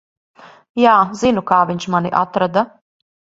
Jā, zinu, kā viņš mani atrada.